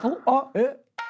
えっ？